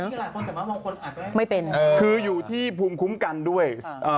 กินหลายคนแต่บางคนอาจไม่ไม่เป็นเออคืออยู่ที่ภูมิคุ้มกันด้วยอ่า